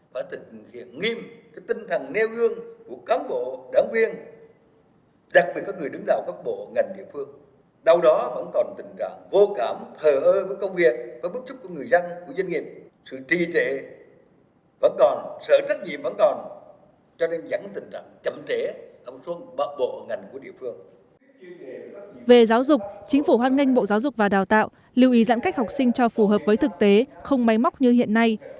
về giáo dục chính phủ hoan nghênh bộ giáo dục và đào tạo lưu ý giãn cách học sinh cho phù hợp với thực tế không máy móc như hiện nay